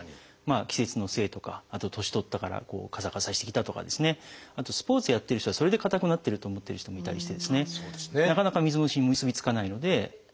季節のせいとかあと年取ったからカサカサしてきたとかあとスポーツやってる人はそれでかたくなってると思ってる人もいたりなかなか水虫に結び付かないので。